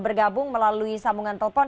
bergabung melalui sambungan telepon